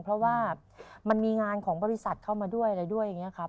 เพราะว่ามันมีงานของบริษัทเข้ามาด้วยอะไรด้วยอย่างนี้ครับ